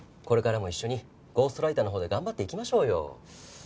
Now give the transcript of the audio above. これからも一緒にゴーストライターのほうで頑張っていきましょうよ。